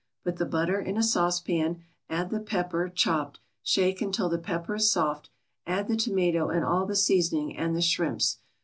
Put the butter in a saucepan, add the pepper, chopped; shake until the pepper is soft, add the tomato and all the seasoning, and the shrimps.